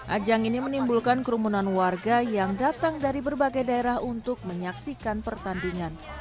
ajang ini menimbulkan kerumunan warga yang datang dari berbagai daerah untuk menyaksikan pertandingan